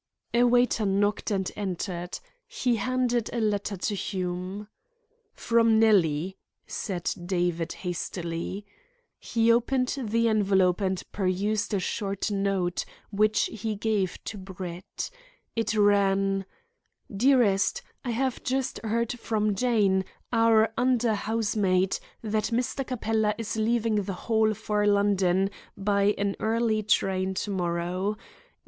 A waiter knocked and entered. He handed a letter to Hume. "From Nellie," said David hastily. He opened the envelope and perused a short note, which he gave to Brett. It ran: "DEAREST, I have just heard from Jane, our under housemaid, that Mr. Capella is leaving the Hall for London by an early train to morrow.